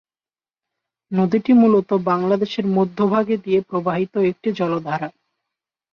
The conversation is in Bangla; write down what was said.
নদীটি মূলত বাংলাদেশের মধ্যভাগে দিয়ে প্রবাহিত একটি জলধারা।